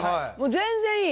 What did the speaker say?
全然いい！